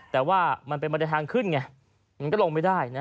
แต่ว่ามันเป็นบันไดทางขึ้นไงมันก็ลงไม่ได้นะ